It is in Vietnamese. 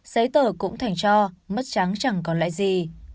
giấy tờ cũng thành cho mất trắng chẳng còn lại gì